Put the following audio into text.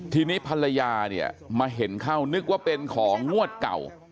ทีนี้ภรรยาเนี่ยมาเห็นเข้านึกว่าเป็นของงวดเก่า